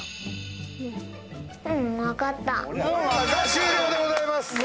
終了でございます。